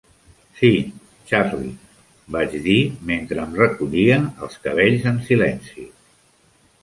"Sí, Charley", vaig dir mentre em recollia els cabells en silenci.